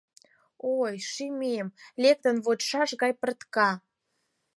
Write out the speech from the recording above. Ой!.. шӱмем лектын вочшаш гай пыртка.